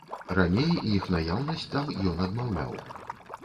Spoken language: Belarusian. Раней іх наяўнасць там ён адмаўляў.